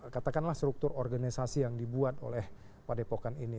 katakanlah struktur organisasi yang dibuat oleh pada epokan ini